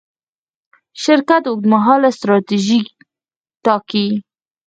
شرکت اوږدمهاله ستراتیژي ټاکي.